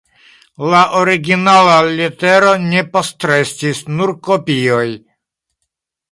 La originala letero ne postrestis, nur kopioj.